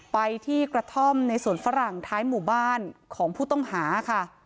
ไปที่กระท่อมในสวนฝรั่งท้ายหมู่บ้านของผู้ต้องหาค่ะ